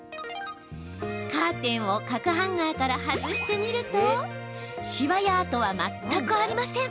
カーテンを角ハンガーから外してみるとシワや跡は全くありません。